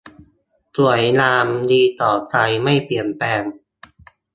สวยงามดีต่อใจไม่เปลี่ยนแปลง